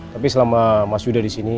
tapi selama mas yuda di sini